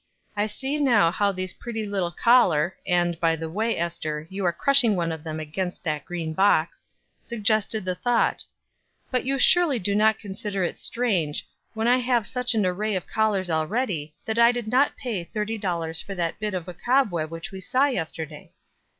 I see now how these pretty little collar (and, by the way, Ester, you are crushing one of them against that green box) suggested the thought; but you surely do not consider it strange, when I have such an array of collars already, that I did not pay thirty dollars for that bit of a cobweb which we saw yesterday?"